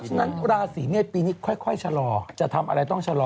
ฉะนั้นราศีเมษปีนี้ค่อยชะลอจะทำอะไรต้องชะลอ